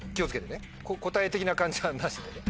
答え的な感じはなしでね。